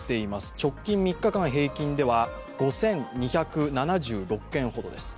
直近３日間平均では、５２７６件ほどです。